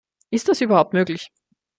Ist das überhaupt möglich?